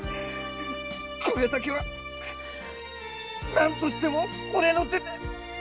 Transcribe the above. これだけは何としても俺の手で！